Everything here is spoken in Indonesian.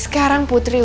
sekarang ibu ibu ibu